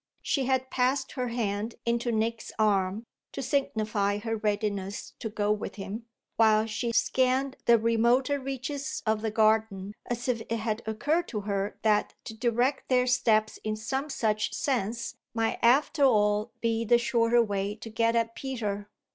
She had passed her hand into Nick's arm, to signify her readiness to go with him, while she scanned the remoter reaches of the garden as if it had occurred to her that to direct their steps in some such sense might after all be the shorter way to get at Peter.